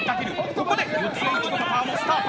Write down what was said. ここで四谷いちごバターもスタート。